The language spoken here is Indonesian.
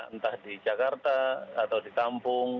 entah di jakarta atau di kampung